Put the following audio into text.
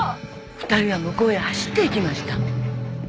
２人は向こうへ走っていきました。